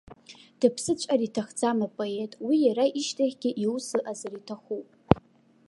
Дыԥсыҵәҟьар иҭахӡам апоет, уи иара ишьҭахьгьы иус ыҟазар иҭахуп.